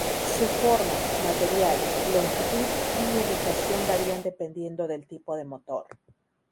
Su forma, material, longitud y ubicación varían dependiendo del tipo de motor.